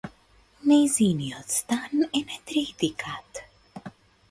Нејзиниот стан е на трети кат.